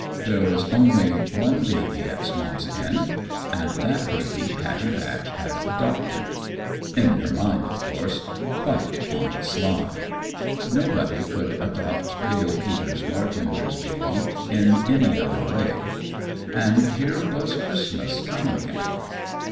there was only one baby at Swamp's End; and that baby Pattie Batch had adopted. In her mind, of course: quite on the sly. Nobody could adopt Pale Peter's bartender's baby in any other way. And here was Christmas come again!